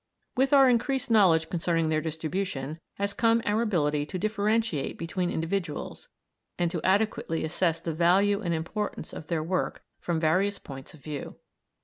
With our increased knowledge concerning their distribution has come our ability to differentiate between individuals, and to adequately assess the value and importance of their work from various points of view.